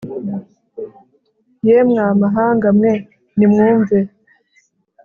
Ye mwa mahanga mwe nimwumve